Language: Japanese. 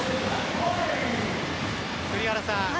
栗原さん。